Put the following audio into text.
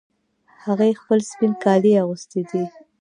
هغې خپل سپین کالي اغوستې دي